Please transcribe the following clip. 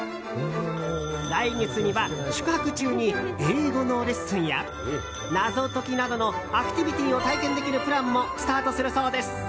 来月には宿泊中に英語のレッスンや謎解きなどのアクティビティーを体験できるプランもスタートするそうです。